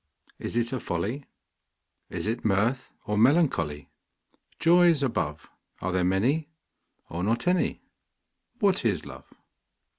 Is it a folly, Is it mirth, or melancholy? Joys above, Are there many, or not any? What is Love?